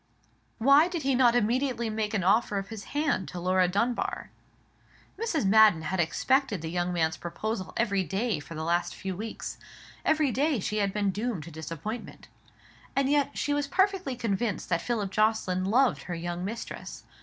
Why did he not immediately make an offer of his hand to Laura Dunbar? Mrs. Madden had expected the young man's proposal every day for the last few weeks: every day she had been doomed to disappointment. And yet she was perfectly convinced that Philip Jocelyn loved her young mistress.